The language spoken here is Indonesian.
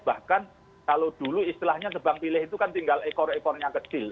bahkan kalau dulu istilahnya tebang pilih itu kan tinggal ekor ekornya kecil